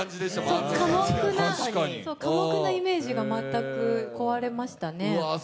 寡黙なイメージが全く壊れましたね。